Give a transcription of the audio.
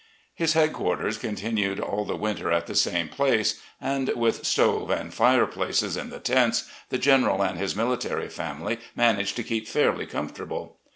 His headquarters continued all the winter at the same place, and with stove and fire places in the tents, the General and his miUtary family managed to keep fairly comfortable.